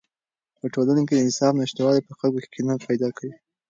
په ټولنه کې د انصاف نشتوالی په خلکو کې کینه پیدا کوي.